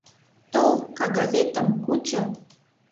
Тол, кагазетым кучо!